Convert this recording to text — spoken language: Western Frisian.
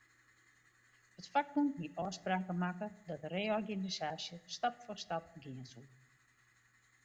It fakbûn hie ôfspraken makke dat de reorganisaasje stap foar stap gean soe.